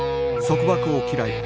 束縛を嫌い